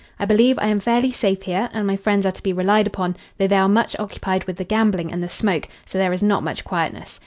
I believe I am fairly safe here, and my friends are to be relied upon, though they are much occupied with the gambling and the smoke, so there is not much quietness.